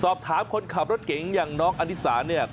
สอบถามคนขับรถเก๋งอย่างน้องอนิสาเนี่ย